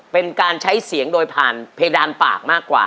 เป็นการใช้เสียงโดยผ่านเพดานปากมากกว่า